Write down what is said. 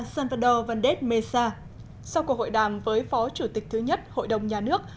salvador valdes mesa sau cuộc hội đàm với phó chủ tịch thứ nhất hội đồng nhà nước